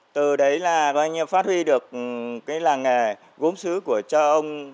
từ đấy là phát huy được làng nghề gốm xứ của cha ông